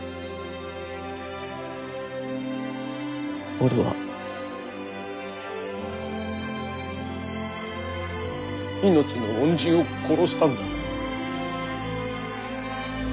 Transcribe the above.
俺は命の恩人を殺したんだ。